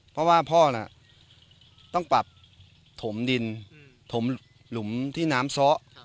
เพราะว่าพ่อน่ะต้องปรับถมดินถมหลุมที่น้ำซ้อ